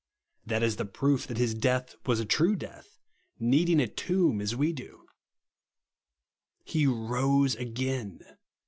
That is the proof that his death was a true death, needing a tomb as we do. He rose again.